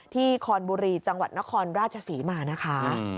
คอนบุรีจังหวัดนครราชศรีมานะคะ